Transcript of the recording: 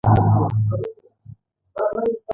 تل به يې ويل د خوښۍ نه غم ته اسې قدم واخله.